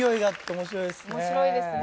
面白いですね。